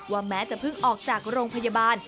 แม้จะเพิ่งออกจากโรงพยาบาล